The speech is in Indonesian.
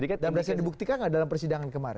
dan bisa dibuktikan nggak dalam persidangan kemarin